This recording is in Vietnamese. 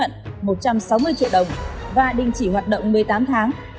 có một mươi triệu đồng và đình chỉ hoạt động một mươi tám tháng